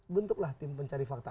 bentuklah tim pencari fakta